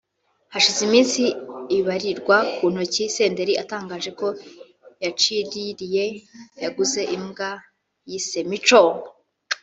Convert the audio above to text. Hashize iminsi ibarirwa ku ntoki Senderi atangaje ko yaciririye [yaguze] imbwa yise ‘Mico’